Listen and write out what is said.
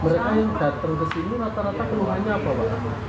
mereka yang datang ke sini rata rata keluhannya apa pak